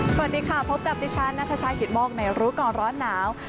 สวัสดีค่ะพบกับดิฉันนัทชายกิตโมกในรู้ก่อนร้อนหนาว